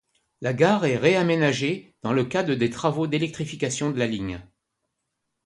La gare est réaménagée dans le cadre des travaux d’électrification de la ligne.